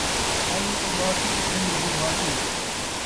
آئی اُٻاسی، نندر دی ماسی